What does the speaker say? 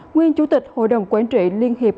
nguyên chủ tịch hội đồng quản trị liên hiệp